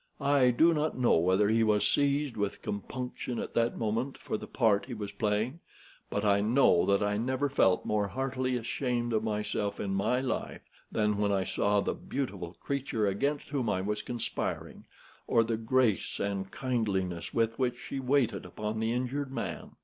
I do not know whether he was seized with compunction at that moment for the part he was playing, but I know that I never felt more heartily ashamed of myself in my life than when I saw the beautiful creature against whom I was conspiring, or the grace and kindliness with which she waited upon the injured man.